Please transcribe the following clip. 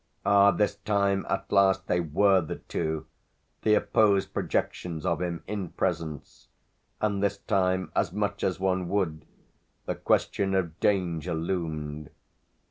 Ah this time at last they were, the two, the opposed projections of him, in presence; and this time, as much as one would, the question of danger loomed.